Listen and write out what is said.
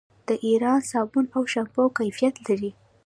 د ایران صابون او شامپو کیفیت لري.